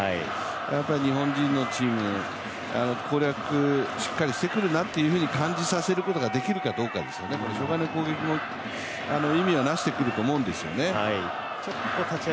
やっぱり日本人のチーム、攻略しっかりしてくるなということを感じさせることができるかどうかですよね、初回の攻撃も意味をなしてくると思うんですよね。